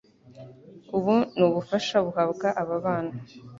ubu ni ubufasha buhabwa ababana